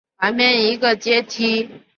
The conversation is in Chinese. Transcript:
旁边一个阶梯